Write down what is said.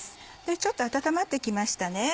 ちょっと温まってきましたね。